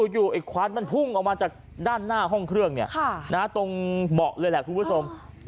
อยู่ไอ้ขวานมันพุ่งออกมาจากด้านหน้าห้องเครื่องเนี่ยตรงเบาะเลยแหละครูพุทธสม